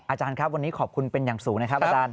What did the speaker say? อาจารย์ครับวันนี้ขอบคุณเป็นอย่างสูงนะครับอาจารย์